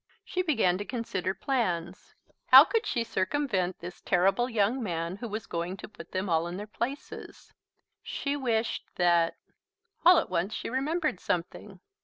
She began to consider plans. How could she circumvent this terrible young man who was going to put them all in their places. She wished that All at once she remembered something.